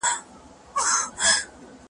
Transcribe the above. له یخنیه وه بېزار خلک له ګټو ,